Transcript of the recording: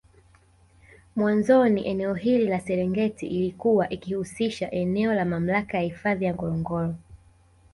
Mwanzoni eneo hili la Serengeti ilikuwa ikihusisha eneo la Mamlaka ya hifadhi ya Ngorongoro